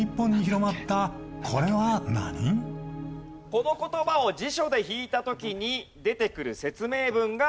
この言葉を辞書で引いた時に出てくる説明文が登場します。